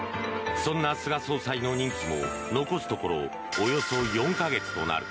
そんな菅総裁の任期も残すところおよそ４か月となる。